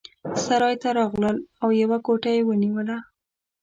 سرای ته راغلل او یوه کوټه یې ونیوله.